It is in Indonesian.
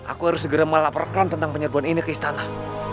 aku harus segera melaporkan tentang penyerbuan ini ke istana